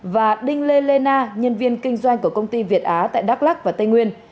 và đinh lê lê na nhân viên kinh doanh của công ty việt á tại đắk lắc và tây nguyên